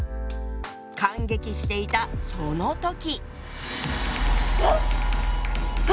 感激していたその時。